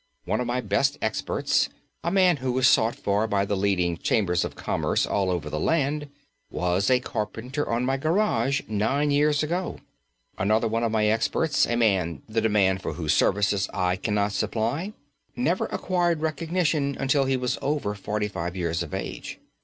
One of my best experts, a man who is sought for by the leading Chambers of Commerce all over the land, was a carpenter on my garage nine years ago. Another one of my experts, a man the demand for whose services I cannot supply, never acquired recognition until he was over forty five years of age.